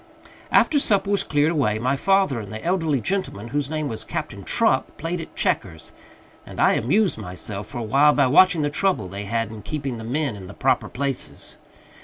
After supper was cleared away, my father and the elderly gentleman, whose name was Captain Truck, played at checkers; and I amused myself for a while by watching the trouble they had in keeping the men in the proper places.